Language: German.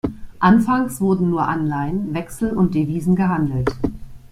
Anfangs wurden nur Anleihen, Wechsel und Devisen gehandelt.